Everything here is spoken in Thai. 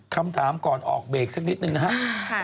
คำถามก่อนออกเบรกสักนิดนึงนะครับ